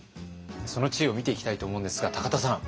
その知恵を見ていきたいと思うんですが田さん。